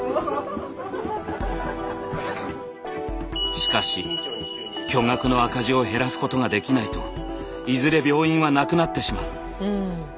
しかし巨額の赤字を減らすことができないといずれ病院はなくなってしまう。